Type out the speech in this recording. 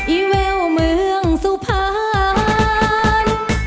อีแววเมืองสุภัณฑ์